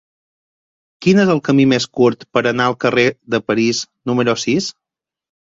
Quin és el camí més curt per anar al carrer de París número sis?